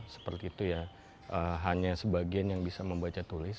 seperti itu ya hanya sebagian yang bisa membaca tulis